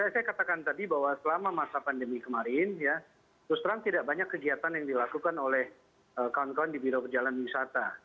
saya katakan tadi bahwa selama masa pandemi kemarin ya terus terang tidak banyak kegiatan yang dilakukan oleh kawan kawan di biro perjalanan wisata